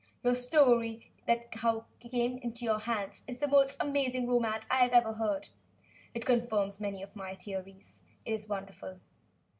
Your story as to how it came into your hands is the most amazing romance I have ever heard. It confirms many of my theories. It is wonderful.